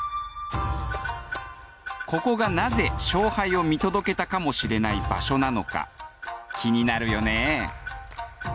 ここがなぜ勝敗を見届けたかもしれない場所なのか気になるよね？